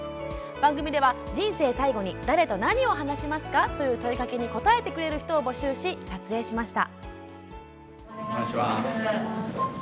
番組では、人生最後に誰と何を話しますか？という問いかけに答えてくれる人を募集し、撮影しました。